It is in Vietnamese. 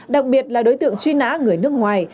đặc biệt là đối tượng truy nã người nước ngoài